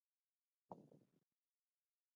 ایا زه باید ریښتیا ووایم؟